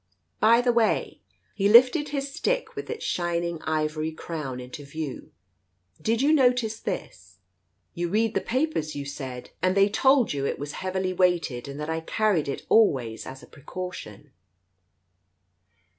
By the way "—he lifted his stick with its shining ivory crown into view. "Did you notice this? You read the papers, you said, and they told you it was heavily weighted and that I carried it always as a pre caution.